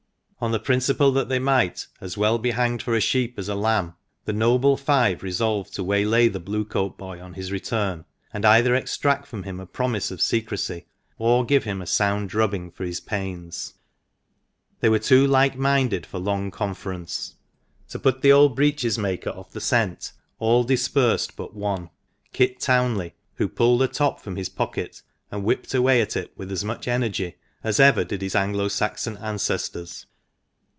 On the principle that they might "as well be hanged for a sheep as a lamb," the noble five resolved to waylay the Blue coat boy on his return, and either extract from him a promise of secrecy, or give him a sound drubbing for his pains. no THE MANCHESTER MAN. They were too like minded for long conference. To put the old breeches maker off the scent, all dispersed but one, Kit Townley, who pulled a top from his pocket and whipped away at it with as much energy as ever did his Anglo Saxon ancestors.